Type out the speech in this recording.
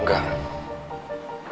aku gak akan ngejemput dia